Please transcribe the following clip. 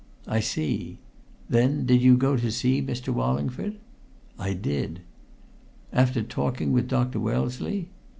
"I see. Then, did you go to see Mr. Wallingford?" "I did." "After talking with Dr. Wellesley?"